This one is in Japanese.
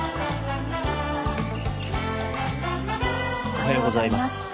おはようございます。